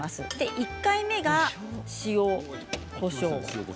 １回目が塩、こしょう。